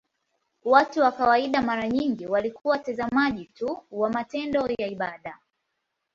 Watu wa kawaida mara nyingi walikuwa watazamaji tu wa matendo ya ibada.